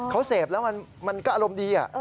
เขาเสพแล้วมันก็อารมณ์ดี